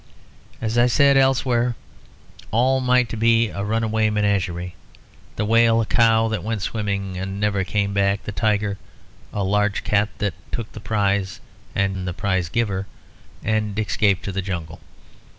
As I said elsewhere, all might be a runaway menagerie; the whale a cow that went swimming and never came back, the tiger a large cat that took the prize (and the prize giver) and escaped to the jungle.